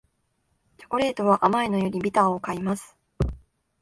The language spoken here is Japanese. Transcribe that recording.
チョコレートは甘いのよりビターを買います